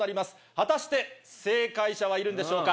果たして正解者はいるんでしょうか？